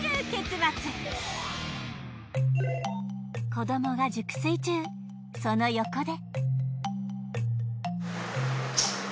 子どもが熟睡中その横で。